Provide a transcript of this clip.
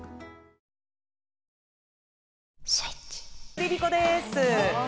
ＬｉＬｉＣｏです。